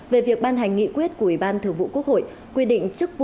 về việc ban hành nghị quyết của ủy ban thượng vụ quốc hội